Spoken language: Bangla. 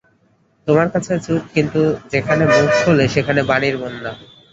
তোমার কাছে চুপ, কিন্তু যেখানে মুখ খোলে সেখানে বাণীর বন্যা।